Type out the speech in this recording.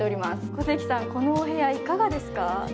小関さん、このお部屋いかがですか？